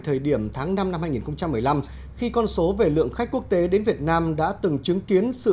thời điểm tháng năm năm hai nghìn một mươi năm khi con số về lượng khách quốc tế đến việt nam đã từng chứng kiến sự